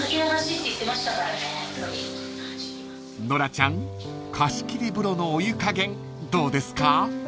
［ノラちゃん貸し切り風呂のお湯加減どうですか？］